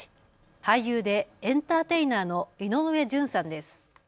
俳優でエンターテイナーの井上順さんです。